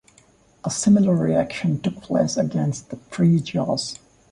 A similar reaction took place against free jazz.